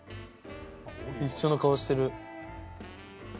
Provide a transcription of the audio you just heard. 一緒の顔してる。